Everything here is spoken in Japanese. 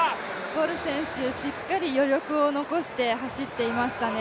ボル選手、しっかり余力を残して走っていましたね。